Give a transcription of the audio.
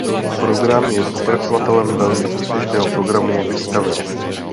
Program je pokračovatelem velmi úspěšného programu Discovery.